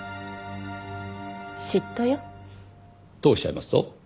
嫉妬よ。とおっしゃいますと？